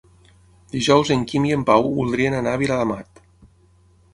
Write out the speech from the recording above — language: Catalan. Dijous en Quim i en Pau voldrien anar a Viladamat.